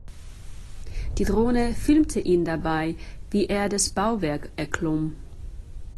Die Drohne filmte ihn dabei, wie er das Bauwerk erklomm.